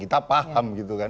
kita paham gitu kan